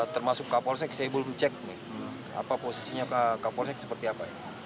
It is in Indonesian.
termasuk kapolsek saya belum cek nih apa posisinya kapolsek seperti apa